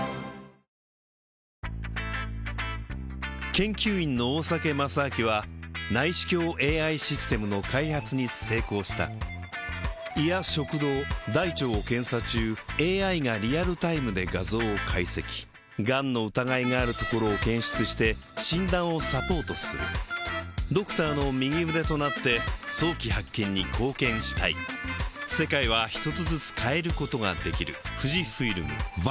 研究員の大酒正明は内視鏡ＡＩシステムの開発に成功した胃や食道大腸を検査中ＡＩがリアルタイムで画像を解析がんの疑いがあるところを検出して診断をサポートするドクターの右腕となって早期発見に貢献したいよしっ！